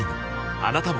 あなたも